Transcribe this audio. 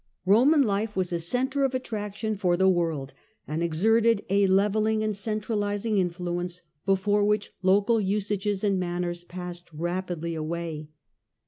Roman life was a centre of attraction for the world, and exerted a levelling and centralizing influence before which local usages and manners passed rapidly away.